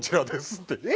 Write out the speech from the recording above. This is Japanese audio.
って。